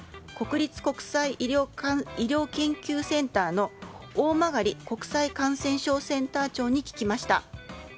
国立国際医療研究センターの大曲国際感染症センター長に聞きました。